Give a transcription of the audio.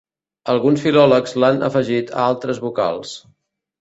Alguns filòlegs l'han afegit a altres vocals.